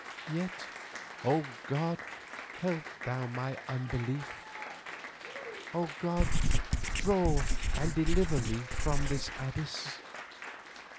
Yet, O God, help Thou my unbelief. O God, draw and deliver me from this abyss."